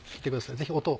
ぜひ音を。